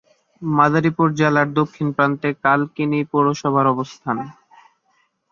মাদারীপুর জেলার দক্ষিণ প্রান্তে কালকিনি পৌরসভার অবস্থান।